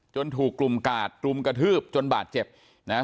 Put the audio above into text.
ถูกกลุ่มกาดรุมกระทืบจนบาดเจ็บนะฮะ